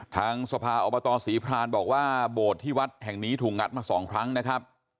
ทางสภาอบตศรีพรานบอกว่าโบสถ์ที่วัดแห่งนี้ถูกงัดมา๒ครั้งนะครับ